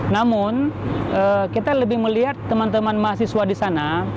namun kita lebih melihat teman teman mahasiswa di sana